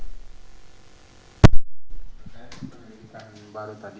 penyelidikan baru tadi